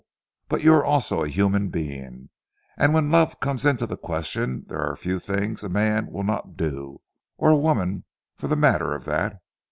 But you are also a human being, and when love comes into the question there are few things a man will not do, or a woman for the matter of that!"